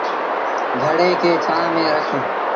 گھڙي کي ڇآنه ميݩ رک۔